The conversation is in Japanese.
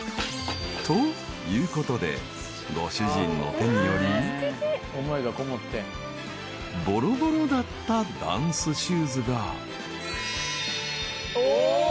［ということでご主人の手によりぼろぼろだったダンスシューズが］